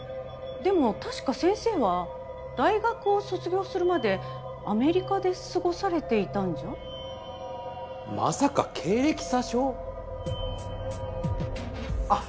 でも確か先生は大学を卒業するまでアメリカで過ごされていたんじゃ？まさか経歴詐称？